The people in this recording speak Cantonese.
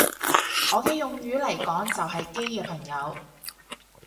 我嘅用語嚟講就係基嘅朋友